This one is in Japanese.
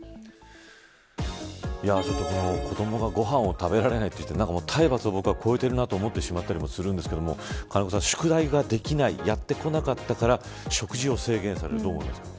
子どもがご飯を食べられないというのは体罰を超えているなと思ったりもしますが金子さん、宿題ができないやってこなかったから食事を制限されるどう思いますか。